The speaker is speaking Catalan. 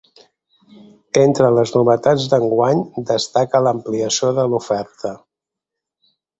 Entre les novetats d’enguany, destaca l’ampliació de l’oferta.